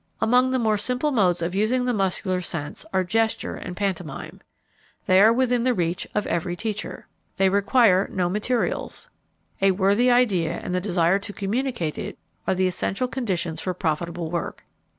Among the more simple modes of using the muscular sense are gesture and pantomime. They are within the reach of every teacher. They require no materials. A worthy idea and the desire to communicate it are the essential conditions for profitable work.